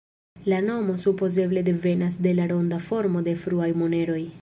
La nomo supozeble devenas de la ronda formo de fruaj moneroj.